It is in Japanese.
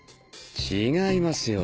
違いますよ。